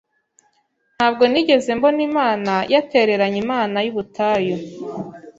Ntabwo nigeze mbona imana yatereranye imana y'ubutayu.